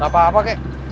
gak apa apa kek